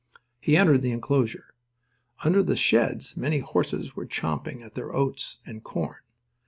He entered the enclosure. Under the sheds many horses were champing at their oats and corn.